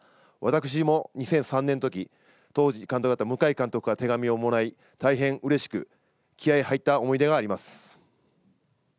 私も２００３年当時の監督から手紙をもらい大変うれしく、気合いが入った思い出があります。